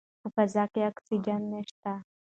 په فضا کې اکسیجن نشته.